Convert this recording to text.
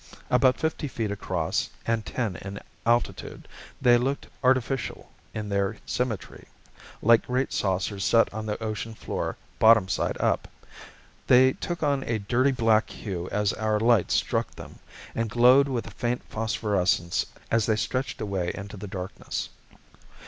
About fifty feet across and ten in altitude, they looked artificial in their symmetry like great saucers set on the ocean floor bottom side up. They took on a dirty black hue as our light struck them, and glowed with a faint phosphorescence as they stretched away into the darkness.